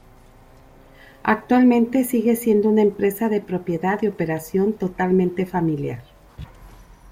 Actualmente sigue siendo una empresa de propiedad y operación totalmente familiar.